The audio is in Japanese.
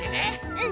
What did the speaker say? うん。